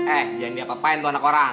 eh jangan diapa apain tuh anak orang